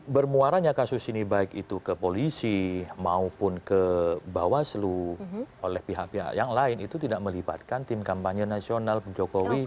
bermuaranya kasus ini baik itu ke polisi maupun ke bawaslu oleh pihak pihak yang lain itu tidak melibatkan tim kampanye nasional jokowi